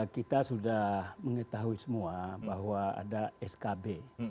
kita sudah mengetahui semua bahwa ada skb